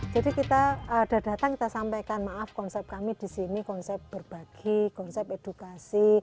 jadi kita datang kita sampaikan maaf konsep kami di sini konsep berbagi konsep edukasi